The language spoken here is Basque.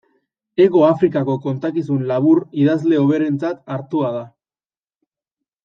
Hego Afrikako kontakizun labur idazle hoberentzat hartua da.